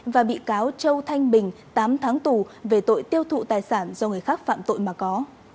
và bị cáo châu thanh bình tám tháng tù về tội tiêu thụ tài sản do người khác phạm tội mà có